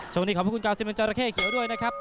สวัสดีขอบพระคุณกาซิเมนจาระเข้เขียวด้วยนะครับ